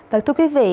và thưa quý vị